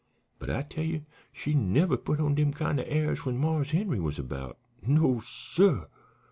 But I tell ye she never put on dem kind o' airs when Marse Henry was about. No, suh.